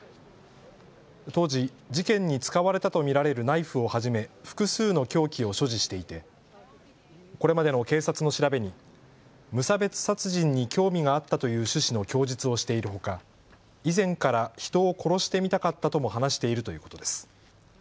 当時、事件に使われたと見られるナイフをはじめ複数の凶器を所持していてこれまでの警察の調べに無差別殺人に興味があったという趣旨の供述をしているほか以前から人を殺してみたかったとも話しているということです。